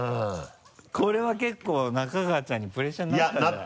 これは結構仲川ちゃんにプレッシャーになったんじゃない？